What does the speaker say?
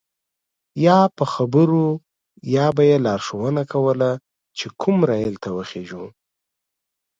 یا په خبرو به یې لارښوونه کوله چې کوم ریل ته وخیژو.